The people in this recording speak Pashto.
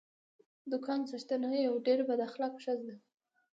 د دوکان څښتنه یوه ډېره با اخلاقه ښځه وه.